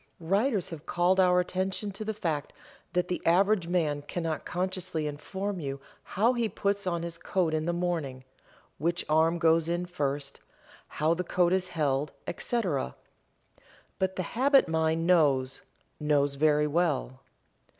Writers have called our attention to the fact that the average man cannot consciously inform you how he puts on his coat in the morning which arm goes in first, how the coat is held, etc. But the habit mind knows knows very well.